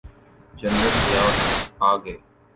General Zia ul Haq آ گئے۔